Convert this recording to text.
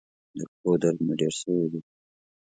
د پښو درد مي ډیر سوی دی.